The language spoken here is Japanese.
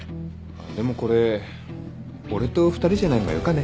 あっでもこれ俺と２人じゃない方がよかね。